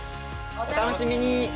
お楽しみに！